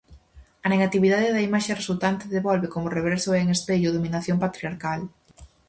A negatividade da imaxe resultante devolve, como reverso e en espello, dominación patriarcal.